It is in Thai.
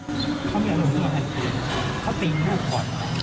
เขามีอารมณ์ขึ้นมาอีกคือเขาตีลูกก่อน